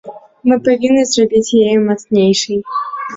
Мы павінны зрабіць яе мацнейшай.